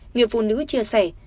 người phụ nữ chia sẻ